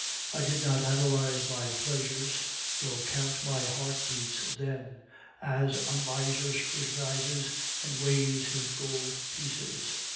"I did not analyze my pleasures nor count my heartbeats then, as a miser scrutinizes and weighs his gold pieces.